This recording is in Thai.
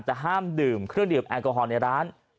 แต่ห้ามดื่มเครื่องดื่มแอลกอฮอลในร้าน